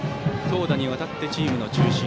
投打にわたってチームの中心。